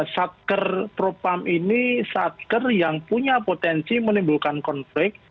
satker propam ini satker yang punya potensi menimbulkan konflik